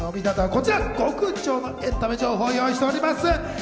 こちらも極上なエンタメ情報を用意しております。